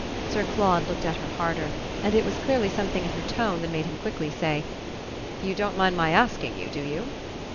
Sir Claude looked at her harder, and it was clearly something in her tone that made him quickly say: "You don't mind my asking you, do you?"